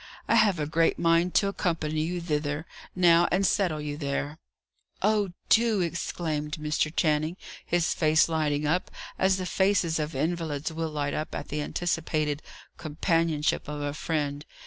I have a great mind to accompany you thither, now, and settle you there." "Oh, do!" exclaimed Mr. Channing, his face lighting up, as the faces of invalids will light up at the anticipated companionship of a friend.